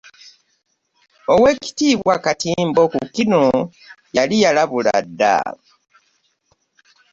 Oweekitiibwa Katimbo ku kino yali yalabula dda.